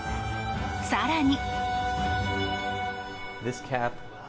更に。